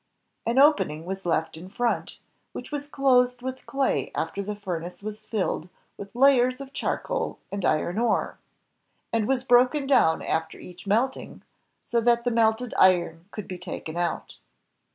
An opening was left in front, which was closed with clay after the furnace was filled with layers of charcoal and iron ore, and was broken down after each melting, so that the melted iron could be taken out.